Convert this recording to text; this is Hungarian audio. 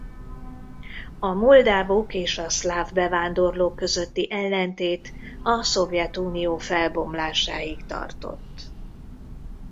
A moldávok és a szláv bevándorlók közötti ellentét a Szovjetunió felbomlásáig tartott.